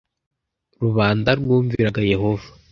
rubanda rwumviraga Yehova